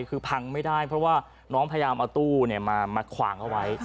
คือพังไม่ได้เพราะว่าน้องพยายามเอาตู้มาขวางเอาไว้